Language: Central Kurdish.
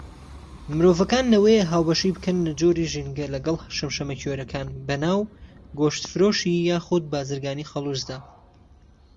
مرۆڤەکان لەوەیە هاوبەشی بکەن لە جۆری ژینگە لەگەڵ شەمشەمەکوێرەکان بەناو گۆشتفرۆشی یاخود بارزگانی خەڵوزدا.